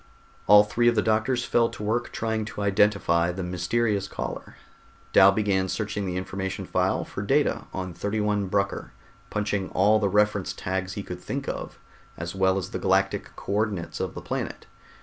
All three of the doctors fell to work trying to identify the mysterious caller. Dal began searching the information file for data on 31 Brucker, punching all the reference tags he could think of, as well as the galactic co ordinates of the planet.